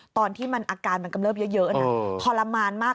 ตอนที่มันอาการมันกำเริบเยอะนะทรมานมาก